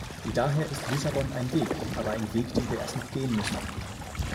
Daher ist Lissabon ein Weg, aber ein Weg, den wir erst noch gehen müssen.